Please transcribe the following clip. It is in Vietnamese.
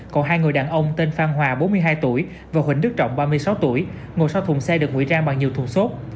còn hai người đàn ông tên phan hòa bốn mươi hai tuổi và huỳnh đức trọng ba mươi sáu tuổi ngồi sau thùng xe được ngụy trang bằng nhiều thùng xốp